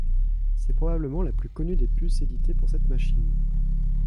C'est probablement la plus connue des puces éditées pour cette machine.